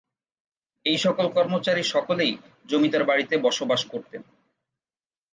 এইসকল কর্মচারী সকলেই জমিদার বাড়িতে বসবাস করতেন।